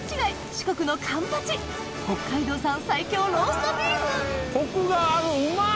四国のカンパチ北海道産最強ローストビーフコクがあるうまっ！